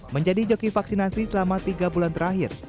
menjadi joki vaksinasi selama tiga bulan terakhir